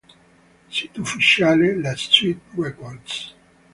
Sito ufficiale La Suite Records